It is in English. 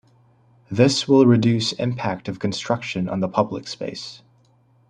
This will reduce impact of construction on the public space.